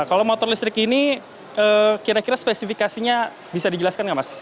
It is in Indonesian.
kalau motor listrik ini kira kira spesifikasinya bisa dijelaskan nggak mas